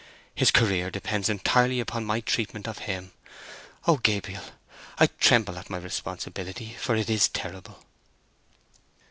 His career depends entirely upon my treatment of him. O Gabriel, I tremble at my responsibility, for it is terrible!"